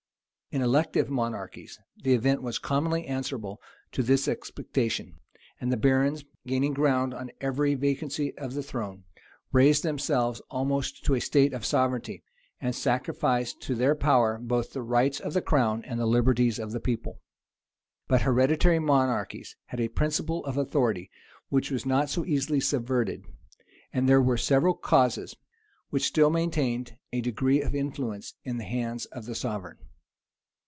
In elective monarchies, the event was commonly answerable to this expectation; and the barons, gaining ground on every vacancy of the throne, raised themselves almost to a state of sovereignty, and sacrificed to their power both the rights of the crown and the liberties of the people. But hereditary monarchies had a principle of authority which was not so easily subverted; and there were several causes which still maintained a degree of influence in the hands of the sovereign.